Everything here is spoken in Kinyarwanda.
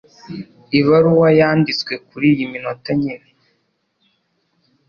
Ibaruwa yanditswe kuriyi minota nyine.